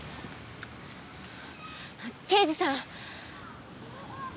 刑事さん。